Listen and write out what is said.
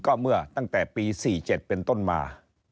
ก็เมื่อตั้งแต่ปี๔๗เป็นต้นมา